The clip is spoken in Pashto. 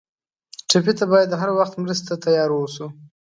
ټپي ته باید هر وخت مرستې ته تیار ووسو.